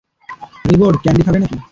রিবোড candy খাবে নাকি?